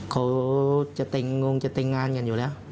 เขาจะติ๋งงานกันอยู่แล้ว